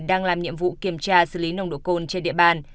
đang làm nhiệm vụ kiểm tra xử lý nồng độ cồn trên địa bàn